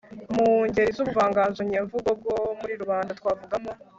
mu ngeri z'ubuvanganzo nyemvugo bwo muri rubanda twavugamo